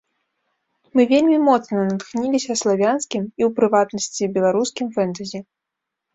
Мы вельмі моцна натхніліся славянскім, і, у прыватнасці, беларускім фэнтэзі.